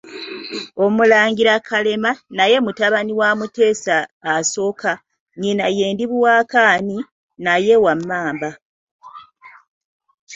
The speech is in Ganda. OMULANGIRA Kalema naye mutabani wa Mutesa I nnyina ye Ndibuwakaani, naye wa Mmamba.